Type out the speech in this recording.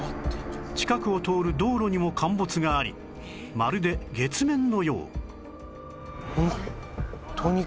近くを通る道路にも陥没がありまるで月面のよう